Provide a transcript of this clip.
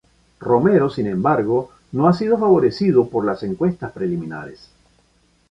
Romero sin embargo, no ha sido favorecido por las encuestas preliminares.